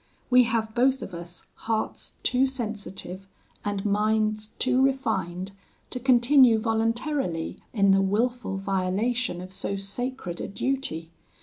We have both of us hearts too sensitive and minds too refined, to continue voluntarily in the wilful violation of so sacred a duty.